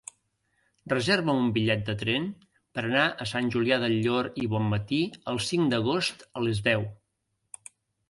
Reserva'm un bitllet de tren per anar a Sant Julià del Llor i Bonmatí el cinc d'agost a les deu.